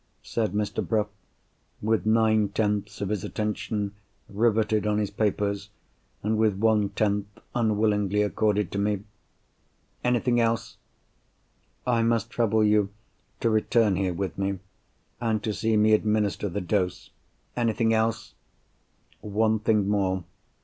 said Mr. Bruff, with nine tenths of his attention riveted on his papers, and with one tenth unwillingly accorded to me. "Anything else?" "I must trouble you to return here with me, and to see me administer the dose." "Anything else?" "One thing more.